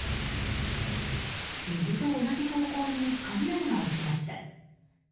虹と同じ方向に雷が落ちました。